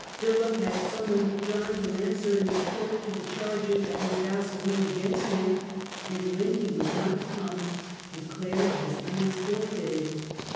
Philip had summoned John to answer in his court to the charges that his vassals made against him, and when he would not come declared his lands forfeited.